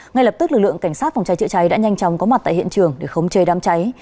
ngay lập tức lực lượng cảnh sát phòng cháy chữa cháy đã nhanh chóng có mặt tại hiện trường để khống chê đám cháy